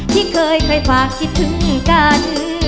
ที่เคยค่อยฝากชิดถึงกัน